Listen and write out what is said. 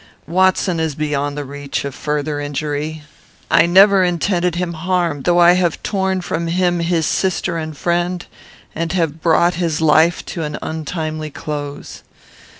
"Watson is beyond the reach of further injury. I never intended him harm, though I have torn from him his sister and friend, and have brought his life to an untimely close.